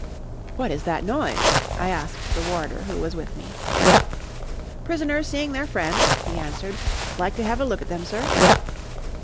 "'What is that noise?' I asked the warder who was with me. "'Prisoners seeing their friends,' he answered. 'Like to have a look at them, sir?'